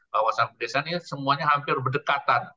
kawasan pedesaan ini semuanya hampir berdekatan